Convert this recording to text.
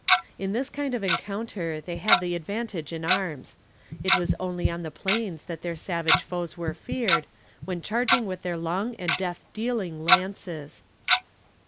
In this kind of encounter they had the advantage in arms. It was only on the plains that their savage foes were feared, when charging with their long and death dealing lances.